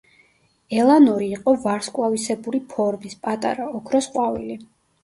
ელანორი იყო ვარსკვლავისებური ფორმის, პატარა, ოქროს ყვავილი.